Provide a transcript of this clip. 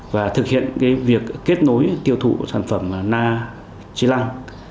và thực hiện việc kết nối tiêu thụ sản phẩm na chi lăng